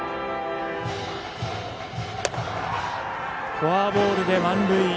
フォアボールで満塁。